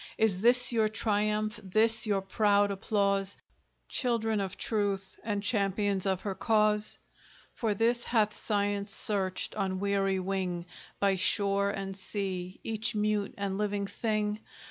Is this your triumph this your proud applause, Children of Truth, and champions of her cause? For this hath Science searched, on weary wing, By shore and sea, each mute and living thing?